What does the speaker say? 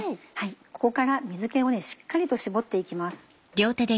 ここから水気をしっかりと絞って行きます。